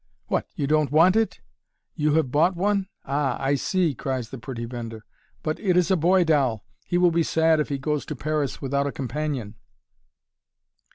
"What, you don't want it? You have bought one? Ah! I see," cries the pretty vendor; "but it is a boy doll he will be sad if he goes to Paris without a companion!"